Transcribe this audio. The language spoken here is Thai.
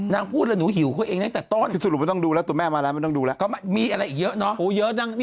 นางพูดแล้วหนูหิวเขาเองตั้งแต่ตอน